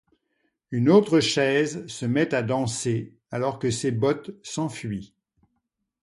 Une autre chaise se met à danser, alors que ses bottes s'enfuient.